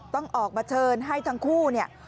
ต้องออกมาเชิญให้ทั้งคู่เนี่ย